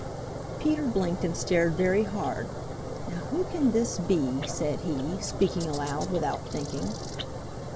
Peter blinked and stared very hard. "Now who can this be?" said he, speaking aloud without thinking.